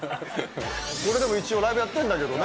これでも一応、ライブやってんだけどね。